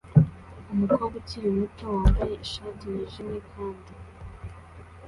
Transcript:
Umukobwa ukiri muto wambaye ishati yijimye kandi